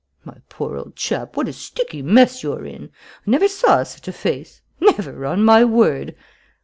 My poor old chap, what a sticky mess you're in! I never saw such a face, never, on my word!